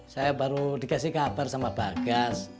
saya baru dikasih kabar sama bagas